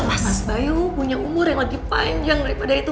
mas bayu punya umur yang lebih panjang daripada itu